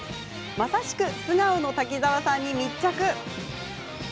まさしく素顔の滝沢さんに密着。